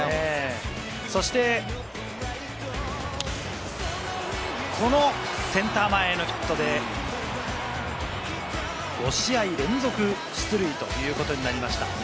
そしてこのセンター前へのヒットで５試合連続出塁ということになりました。